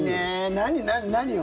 何、何、何を？